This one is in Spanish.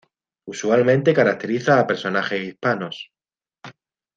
Usualmente caracteriza a personajes hispanos.